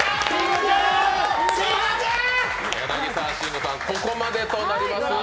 柳沢慎吾さん、ここまでとなります。